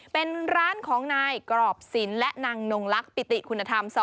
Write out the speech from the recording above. เป็นร้านของนายกรอบศิลป์และนางนงลักษิติคุณธรรม